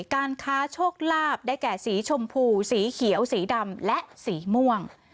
การค้าโชคลาภได้แก่สีชมพูสีเขียวสีดำและสีม่วง